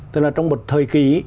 tức là trong một thời kỳ